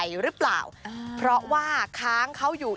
สำดัดของในทุน